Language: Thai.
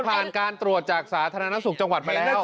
เคยผ่านการตรวจจากฐานสุขจังหวัดมาแล้ว